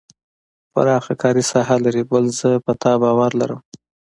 پراخه کاري ساحه لري بل زه په تا باندې باور لرم.